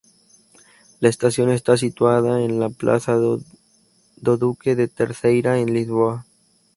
La estación está situada en la Plaza do Duque de Terceira, en Lisboa.